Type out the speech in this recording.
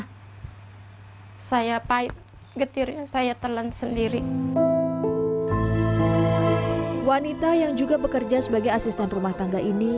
hai saya pahit getirnya saya telan sendiri wanita yang juga bekerja sebagai asisten rumah tangga ini